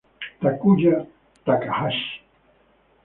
Takuya Takahashi